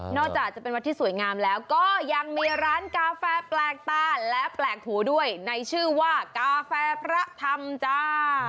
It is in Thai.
จากจะเป็นวัดที่สวยงามแล้วก็ยังมีร้านกาแฟแปลกตาและแปลกหูด้วยในชื่อว่ากาแฟพระธรรมจ้า